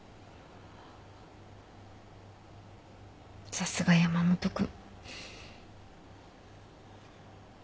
さすが山本君。